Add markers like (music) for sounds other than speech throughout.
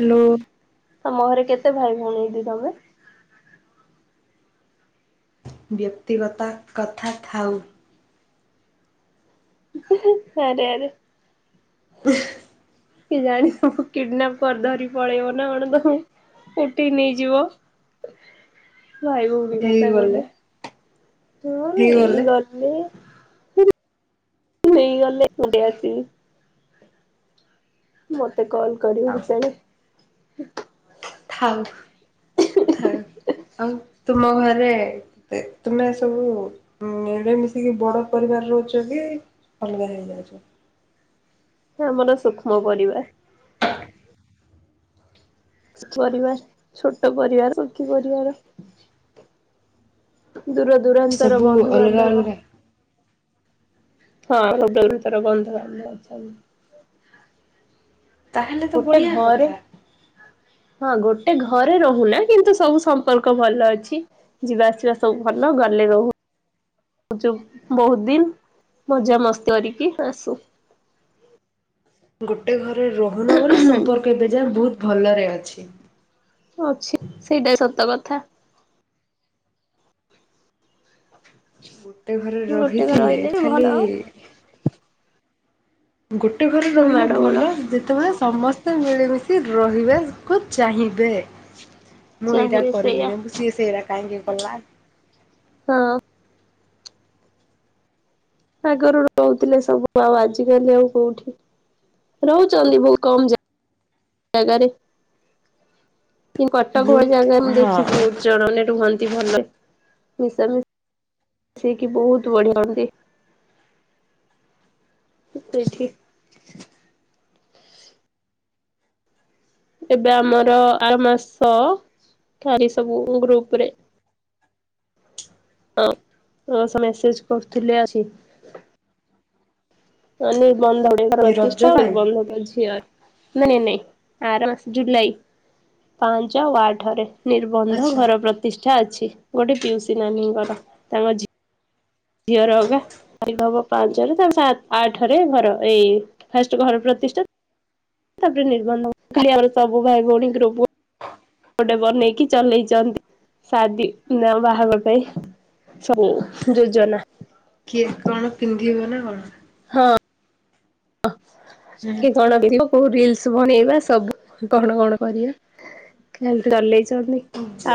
Hello. ତମ ଘରେ କେତେ ଭାଇ ଭଉଣୀ ଦେଇ ତମେ? ବ୍ୟକ୍ତିଗତ କଥା ଥାଉ। ଆରେ ଆରେ। (inaudible) କି ଜାଣିବ କିଡନାପ କରି ଧରି ପଳେଇବ, ନା କଣ ତମ ଉଠେଇ ନେଇଯିବ? ଭାଇ ଭଉଣୀ କଥା ହେଇଗଲେ କହିଲେ। ହୁଁ ଏଇ ହେଇଗଲେ ଗଲି। ଏଇ ଗଲି ଏଇ ଆସିଲି। ମତ ମତେ କଲ୍ କରିବ ଥାଉ କେତେବେଳେ? ଥାଉ ଥାଉ ଆଉ ତୁମ ଘରେ ତ ତୁମେ ସବୁ ଉୁଁ ମିଳି ମିଶିକି ବଡ ପରିବାର ରହୁଛ କି ଅଲଗା ହେଇଯାଉଛ? ଆମର ସୂକ୍ଷ୍ମ ପରିବାର । (inaudible) ଛୋଟ ପରିବାର ଛୋଟ ପରିବାର ସୁଖୀ ପରିବାର। ଦୂର ଦୂରାନ୍ତର ସବୁ ଅଲଗା ବନ୍ଧୁବାନ୍ଧବ। ଅଲଗା ହଁ (inaudible) ତାର ବନ୍ଧା ଥାଏ । ତାହେଲେ ତ ବଢ଼ିଆ ଘରେ କଥା । ହଁ ଗୋଟେ ଘରେ ରହୁନା କିନ୍ତୁ ସବୁ ସମ୍ପର୍କ ଭଲ ଅଛି, ଯିବା ଆସିବା ସବୁ ଭଲ ଗଲେ ରହୁ ଯ ବହୁତ ଦିନ ମଜା ମସ୍ତି କରିକି ଆସୁ। ଗୋଟେ ଘର ରହୁନା ବୋଲି ସମ୍ପର୍କ ଏବେ ଯାଏଁ ବହୁତ ଭଲରେ ଅଛି । ଆଚ୍ଛା। ଗୋଟେ ଘରେ ଗୋଟେ ଘରେ ରହିଥିଲେ ରହିଲେ ବି ଭଲ ଖାଲି ଆଉ ଗୋଟେ ଘରେ ରହିଲେ ମାଡ ଗୋଳ ଭଲ, ଯେତେବେଳେ ସମସ୍ତେ ସେ ମିଳିମିଶି ରହିବେ କୁ ଚାହିଁବେ? ମୁଁ ଏଇଟା ଚାହିଁବେ ସେଇଆ। କରିବିରେ ସିଏ ସେରା କାହିଁକି (inaudible) ହଁ। ଆଗରୁ ରହୁଥିଲେ ସବୁ, ଆଉ ଆଜିକାଲି ଆଉ କୋଉଠି ରହୁଛନ୍ତି ବହୁତ କମ ଜାଗାରେ। କି କଟକ ଭଳି ବହୁତ ଜାଗାରେ ମୁଁ ହଁ ଦେଖିଛି ଜଏଣ୍ଟ ରେ ରୁହନ୍ତି । ଭଲରେ ମିଶା ମିଶେଇକି ବହୁତ ବଢିଆ ହନ୍ତି ସେଠି । ଏବେ ଆମର ଆର ମାସ ଖାରି ସବୁ ଗ୍ରୁପ ରେ ହଁ ମେସେଜ କରୁଥିଲେ ଆସି । (inaudible) ବନ୍ଧେଇ ଏ ରଜ ପ୍ରତିଷ୍ଠା ପାଇଁ ବନ୍ଧ ଝିଅ । ନାଇଁ ନାଇଁ ଆର ମାସ ଜୁଲାଇ ପାଞ୍ଚ ଆଉ ଆଠରେ ନିର୍ବନ୍ଧ ଆଚ୍ଛା ଘର ପ୍ରତିଷ୍ଠା। ଇଛା ଅଛି ଗୋଟେ ପିଉସୀ ନାନୀଙ୍କର, ତାଙ୍କ ଝିଅ ଦିଅର ହକା ଖାଇଦେବ। ପାଞ୍ଚରେ ତା ସ ଆଠରେ ଘର ଏଇ ଫାଷ୍ଟ ଘର ପ୍ରତିଷ୍ଠା ତାପରେ ନିର୍ବନ୍ଧ କାଲି ଆମର ସବୁ ଭାଇ ଭଉଣୀଙ୍କର ଅବସ୍ଥା ଗୋଟେ ବନେଇକି ଚଲେଇଛନ୍ତି ସାଦି ନା ବାହାର ପାଇଁ ସବୁ ଯୋଜନା କିଏ କଣ ପିନ୍ଧିବ ନା କଣ? ହଁ (inaudible) ହୁଁ କିଏ କଣ ବିରିବ କୋଉ ରିଲସ ବନେଇବା ସବୁ କଣ କଣ କରିବା ଚଲେଇଛି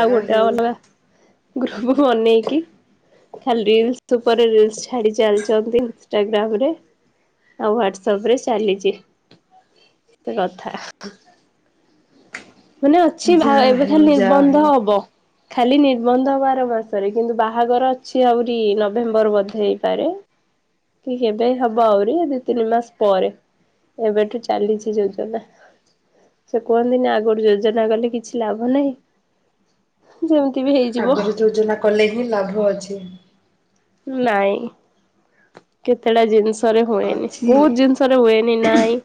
ଆଉ ଗୋଟେ ହେଉ ଅଲଗା (inaudible) ବନେଇକି ଖାଲି ରିଲସ ତୁକରି ରିଲସ ଛାଡି ଚାଲିଛନ୍ତି ଇଷ୍ଟାଗ୍ରାମରେ ଆଉ ହ୍ୱାଟ୍ ସପରେ ଚାଲିଛି କଥା ମାନେ ଅଛି ଭା ଯାହା ଏବେ ହେଉ ଖାଲି ଯାହା ନିର୍ବନ୍ଧ ହେଉ ହବ ଖାଲି ନିର୍ବନ୍ଧ ହବ ଆରମାସରେ କିନ୍ତୁ ବାହାଘର ଅଛି ଆହୁରି ନଭେମ୍ବର ବଧେ ହେଇପାରେ କି କେବେ ହବ ଆହୁରି ଦି ତିନି ମାସ ପରେ ଏବେଠୁ ଚାଲିଛି ଯୋଜନା ସେ କୁହନ୍ତିନି ଯୋଜନା କଲେ କିଛି ଲାଭ ନାହିଁ ଯାହା- ଆଗରୁ ଯୋଜନା କଲେ ହିଁ ଲାଭଅଛି। ନାଇଁ କେତେଟା ଜିନିଷ ଷରେ ହୁଏନି ଅଛି ବହୁତ ଜିନିଷରେ ହୁଏନି ନାଇଁ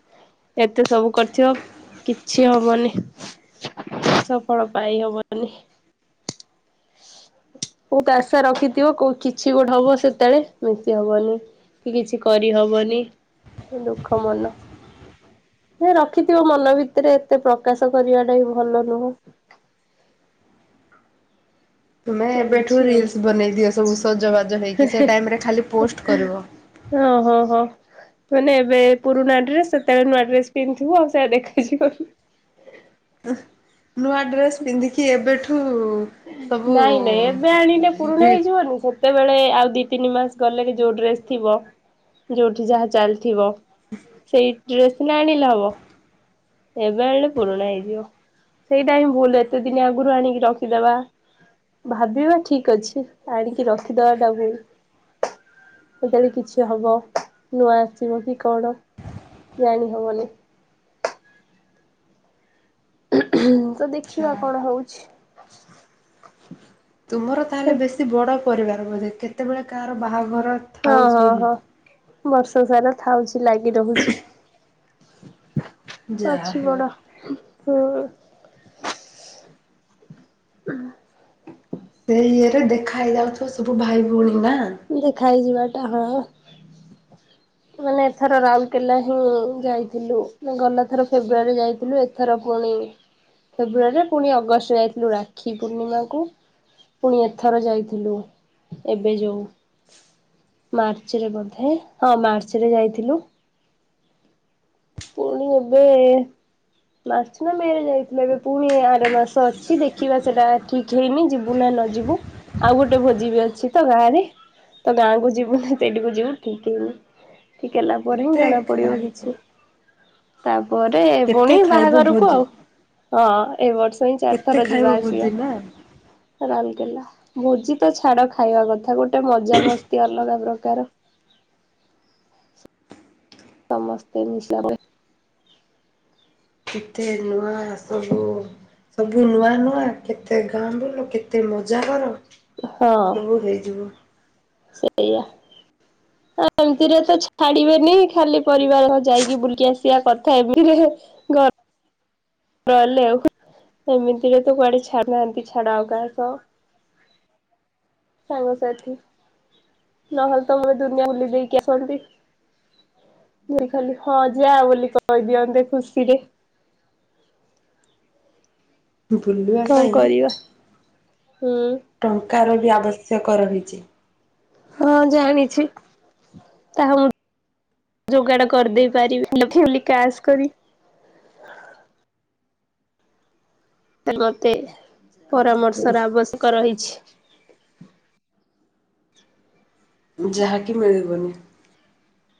ଏତେ ସବୁ କରିଛ କିଛି ହବନି ସଫଳ ପାଇ ହବନି ବହୁତ ଆଶା ରଖିଥିବ କୋଉ କିଛି ଗୋଟେ ହବ ସେତେବେଳେ ହବନି କି କିଛି କରିହବନି ଦୁଃଖ ମନ ରଖିଥିବ ମନ ଭିତରେ ଏତେ ପ୍ରକାଶ କରିବାଟା ବି ଭଲ ନୁହଁ ତୁମେ ଏବେଠୁ ଚାଲିଛି ଆଉ। ରିଲସ ବନେଇ ଦିଅ ସବୁ ସଜବାଜ ହେଇକି ସେ ଟାଇମିରେ ଖାଲିପୋଷ୍ଟ କରିବ। ଓହୋ ହୋ। ମାନେ ଏବେ ପୁରୁଣା ଡ୍ରେସ ସେତେବେଳେ ନୂଆ ଡ୍ରେସ ପିନ୍ଧିବୁ ଆଉ ସେୟା ଦେଖାଯିବ। ନୂଆ ଡ୍ରେସ ପିନ୍ଧିକି ଏବେଠୁ (inaudible) ସବୁ ନାଇଁ ନାଇଁ ଏବେ ଆଣିଲେ ପୁରୁଣା ହେଇଯିବନି ସେତେ ବେଳେ ଆଉ ଦି ତିନି ମାସ ଗଲେ କି ଯୋଉ ଡ୍ରେସ ଥିବ ଯୋଉଠି ଯାହା ଚାଲିଥିବ ସେଇ ଡ୍ରେସ ନା ଆଣିଲେ ହବ ଏବେ ଆଣିଲେ ପୁରୁଣା ହେଇଯିବ, ସେଇଟା ହିଁ ଭୁଲ ଏତେଦିନ ଆଗରୁ ଆଣିକି ରଖିଦବା, ଭାବିବା ଠିକଅଛି ଆଣିକି ରଖିଦବାଟା ଭୁଲ, ଆଜିକାଲି କିଛି ହବ ନୂଆ ଆସିବ କି କଣ ଜାଣି ହବନି। (inaudible) ତ ଦେଖିବା କଣ ହଉଛି। ତୁମର ତାହେଲେ ବେଶୀ ବଡ ପରିବାର ବୋଧେ କେତେବେଳେ କାହାର ବାହା ଘର ହଁ ହଁ ଥାଉଛି। ହଁ ବର୍ଷ ସାରା ଥାଉଛି। କି ଲାଗି ରହୁଛି। ଯାହା ଅଛି ହେଉ ବଡ। ହୁଁ। (inaudible) ଏ ଇଏରେ ଦେଖା ହେଇଯାଉଥିବ ସବୁ ଭାଇ ଭଉଣୀ ନା। ଦେଖା ହେଇଯିବା। ଆ ହା। ମାନେ ଏଥର ରାଉରକେଲା ହିଁ ଯାଇଥିଲୁ, ଗଲା ଥର ଫେବୃଆାରୀ ଯାଇଥିଲୁ, ଏଥର ପୁଣି ଫେବୃଆାରୀରେ, ପୁଣି ଅଗଷ୍ଟ ଯାଇଥିଲୁ ରାକ୍ଷୀ ପୂର୍ଣିମାକୁୁ, ପୁଣି ଏଥର ଯାଇଥିଲୁ ଏବେ ଯୋଉ ମାର୍ଚ୍ଚରେ ବୋଧେ, ହଁ ମାର୍ଚ୍ଚ ରେ ଯାଇଥିଲୁ। ପୁଣି ଏବେ ମାସ ନା ମେ ରେ ଯାଇଥିଲେ ଏବେ ପୁଣି ଆର ମାସ ଅଛି ଦେଖିବା ସେଟା ଠିକ ହେଇନି ଯିବୁ ନା ନ ଯିବୁ, ଆଉ ଗୋଟେ ଭୋଜି ବି ଅଛି ତ ଗାଁରେ, ତ ଗାଁକୁ ଯିବୁ ନା ସେଇଠିକୁ ଯିବୁ ଠିକ ହେଇନି। ଠିକ୍ ହେଲା ପରେ ହିଁ କେତେ ଜଣାପଡ଼ିବ କିଛି। ଖାଇବ ତା ପରେ କେତେ ପୁଣି ଖାଇବ ବାହାଘରକୁ ଭୋଜି ଆଉ, ହଁ। ଏ ବର୍ଷ ହିଁ କେତେ ଚାରିଥର ଖାଇବ ଯିବା ଆସିବା, ଭୋଜି ନା ରାଉରକେଲା। ଭୋଜି ତ ଛାଡ ଖାଇବା କଥା, ଗୋଟେ ମଜା ମସ୍ତି ଅଲଗା ପ୍ରକାର। ସମସ୍ତେ (unintelligible) ଏତେ ନୂଆ ସବୁ ସବୁ ନୂଆ ନୂଆ କେତେ ଗାଁ ବୁଲ, କେତେ ମଜା କର। ହଁ ସବୁ ହେଇଯିବୁ। ସେଇଆ, ଏମିତିରେ ତ ଛାଡିବେନି ଖାଲି ପରିବାର ଯାଇକି ବୁଲି ଆସିବା କଥା ଏମିତିରେ ହେଲେ ଆଉ ଏମିତିରେ ତ କୁଆଡେ ଛାଡୁନାହାନ୍ତି ଛାଡ ଆଉ କାହା ସହ। ସାଙ୍ଗସାଥୀ ନହେଲେ ତମର ଦୁନିଆ ବୁଲି ଦେଇକି ଆସନ୍ତି, ଖାଲି ହଁ ଯା ବୋଲି କହିଦିଅନ୍ତେ ଖୁସିରେ। ବୁଲିବା କଣ ପାଇଁ କରିବା ହୁଁ। କାର ବି ଆବଶ୍ୟକ ରହିଛି। ହଁ ଜାଣିଛି ତାହା ମୁଁ ଯୋଗାଡ କରିଦେଇ ପାରିବି, କାସ୍ କରି ତ ମତେ ପରାମର୍ଶର ଆବଶ୍ୟକ ରହିଛି। ଛି। ଯାହାକି ମିଳିବନି। (inaudible)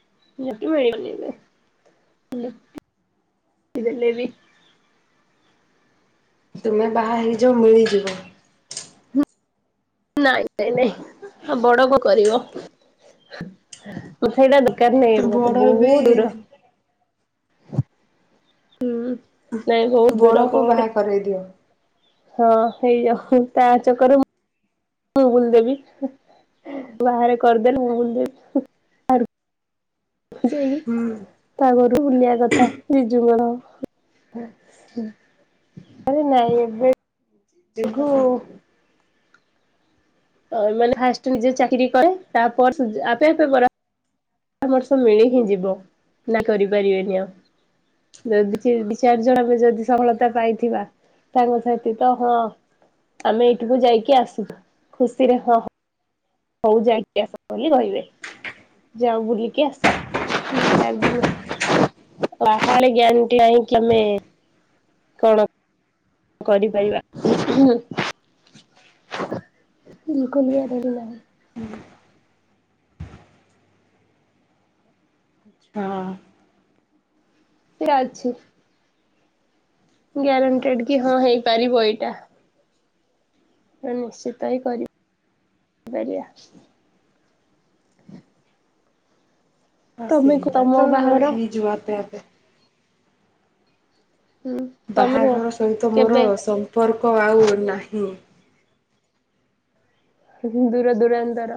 (unintelligible) (inaudible) ତୁମେ ବାହା ହେଇଯାଅ ମିଳିଯିବ। ନାଇଁ ନାଇଁ ନାଇଁ ବଡ କ କରିବ ସେଇଟା। କେ ନ ମତେ ବଡ ବହୁ ବି ଦୂର। ହୁଁ ନାଇଁ ବହୁତ ଦୂର ବଡକୁ ପରେ ବାହା କରେଇ ଦିଅ ହଁ ହେଇଯାଉ ତା ଚକରେ ମୁଁ ବୁଲ ଦେବି ବାହାରେ କରିଦେଲେ ମୁଁ ବୁଲ ଦେବି ଯାଇକି ହୁଁ ତା ଘରୁକୁ ବୁଲିବା କଥା ଜେଜେ ଙ୍କ ର ଆରେ ନାଇଁ ଏବେ ଏଠୁ (unintelligible) ଏମାନେ ଫାଷ୍ଟ ନିଜେ ଚାକରି କଲେ ତାପ ଆପେ ଆପେ ବଢ ପରାମର୍ଶ ମିଳି ହିଁ ଯିବ ନା କରିପାରିବେନି ଆଉ ଯଦି ଦି ଚାରି ଜଣ ଯଦି ସଫଳତା ପାଇଥିବା ତାଙ୍କ ସାଥି ତ ହଁ ଆମେ ଏଇଠିକୁ ଯାଇକି ଆସୁ ଖୁସିରେ ହଁ ହଁ ହଉ ଯାଇକି ଆସ ବୋଲି କହିବେ ଯାଅ ବୁଲିକି ଆସ ବାହାଡ ଗ୍ୟାସ୍ ଯାହାକି ତମେ କଣ? କରିପାରିବା ବକୁ ବି (inaudible) ହୁଁ। ଆଚ୍ଛା ସେ ଅଛି। ଗ୍ୟାରେଣ୍ଟେଡ କି ହଁ ହେଇପାରିବ ଏଇଟା। ନିଶ୍ଚିତ ହିଁ କରିପାରିବା। ହଁ ତମେ କୁହ ସେଇଟା ତମ ତ ବାହାଘର ହେଇଯିବ ଆପେ ଆପେ। ହୁଁ ତମେ କୁହ ବାହାଘର ସହିତ ମୋର କେବେ ସମ୍ପର୍କ ଆଉ ନାହିଁ। ବହୁ ଦୂର ଦୁରାନ୍ତର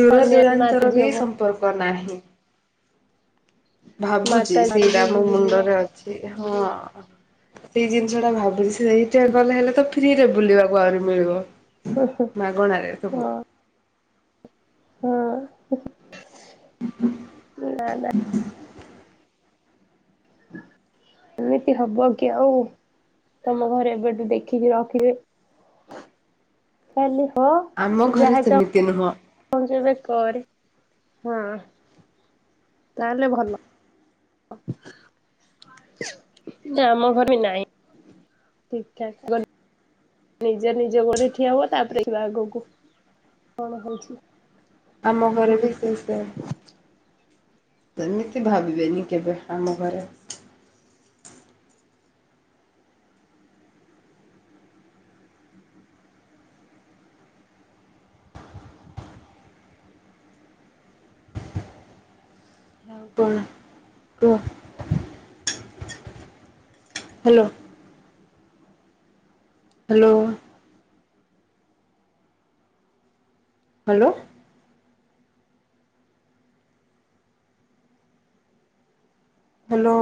ଦୂର ସନ୍ୟାସୀ ମାତା ଦୂରାନ୍ତର ବି ଝିଅ ହବ। ସମ୍ପର୍କ ନାହିଁ। (inaudible) ଭାବୁଛି ମାତା ସେଇଟା ଝିଅ ଆମ ବୁଲିବ ମୁଣ୍ଡରେ ଅଛି ହଁ ସେଇ ଜିନିଷ ଟା ଭାବିଛି। ସେଇଟା ଗଲେ ହେଲେ ତ ଫ୍ରିରେ ବୁଲିବାକୁ ଆହୁରି ମିଳିବ ମାଗଣାରେ ସବୁ। ହଁ ହଁ। ନା ନା। ଏମିତି ହବ କି ଆଉ ତମ ଘରେ ଏବେଠୁ ଦେଖିକି ରଖିଲେନି ହେଲେ ଆମ ଘରେ ସେମିତି ନୁହଁ। ପରେ ହଁ ତାହେଲେ ଭଲ। ନା ଆମ ଘର ବି ନାଇଁ ଠିକ ଠାକ ଆଗ ନିଜ ନିଜ ଗୋଡ଼ରେ ଠିଆ ହୁଅ ତା ପରେ ଦେଖିବା ଆଗକୁ କଣ ହଉଛି? ଆମ ଘରେ ବେଶ (unintelligible) ଶା ସେମିତି ଭାବିବେନି କେବେ ଆମ ଘରେ। ତା ପରେ କୁହ। ହ୍ୟାଲୋ। ହ୍ୟାଲୋ। ହ୍ୟାଲୋ। ହେଲୋ।